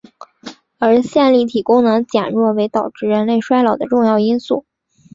而线粒体功能减弱为导致人类衰老的重要因素。